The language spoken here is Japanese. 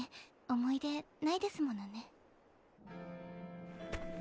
思い出ないですものね。